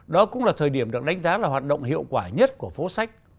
đó cũng là thời điểm được đánh giá là hoạt động hiệu quả nhất của phố sách